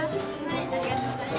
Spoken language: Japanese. ありがとうございます。